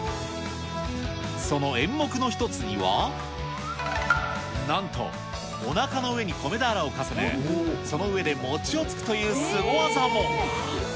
その演目の一つには、なんとおなかの上に米俵を重ね、その上で餅をつくというスゴ技も。